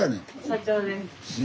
社長です。